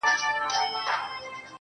• ستا د يوې لپي ښكلا په بدله كي ياران.